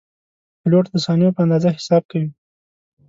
پیلوټ د ثانیو په اندازه حساب کوي.